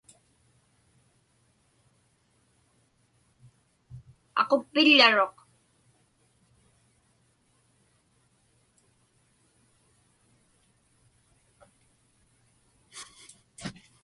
Aquppiḷḷaruq.